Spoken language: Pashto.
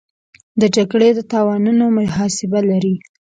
د جګړې د تاوانونو محاسبه لري.